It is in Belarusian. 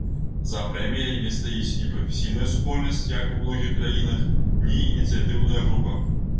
За прэміяй не стаіць ні прафесійная супольнасць, як у многіх краінах, ні ініцыятыўная група.